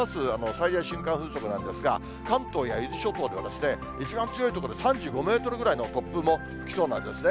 最大瞬間風速なんですが、関東や伊豆諸島では、一番強い所で３５メートルぐらいの突風も吹きそうなんですね。